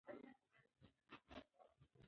دوی د نویو قوانینو په لټه کې ول.